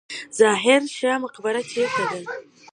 ظاهر شاه مقبره چیرته ده؟